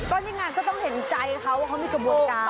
ก็นี่ไงก็ต้องเห็นใจเขาว่าเขามีกระบวนการ